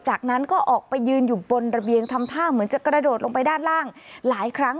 จากนั้นก็ออกไปยืนอยู่บนระเบียงทำท่าเหมือนจะกระโดดลงไปด้านล่างหลายครั้ง